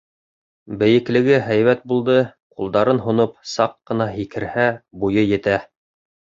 Бейеклеге һәйбәт булды, ҡулдарын һоноп, саҡ ҡына һикерһә, буйы етә.